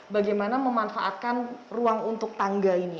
bagaimana memanfaatkan ruang untuk tangga ini